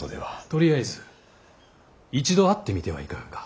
とりあえず一度会ってみてはいかがか。